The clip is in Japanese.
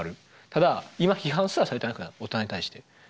ただ今批判すらされてなくない？大人に対して。